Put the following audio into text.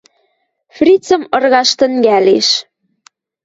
Фрицӹм ыргаш тӹнгӓлеш...»